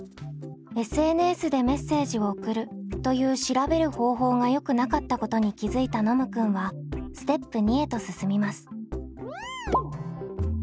「ＳＮＳでメッセージを送る」という調べる方法がよくなかったことに気付いたノムくんはステップ２へと進みます。